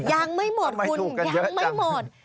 ยังไม่หมดคุณยังไม่หมด